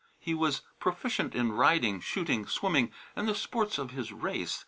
He was proficient in riding, shooting, swimming and the sports of his race.